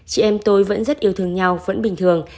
chị em tôi vẫn rất yêu thương nhau vẫn bình thường